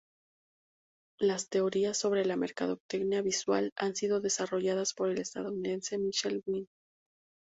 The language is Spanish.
Las teorías sobre la mercadotecnia visual han sido desarrolladas por el estadounidense Michel Wedel.